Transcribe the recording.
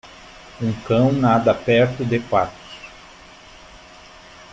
um cão nada perto de patos.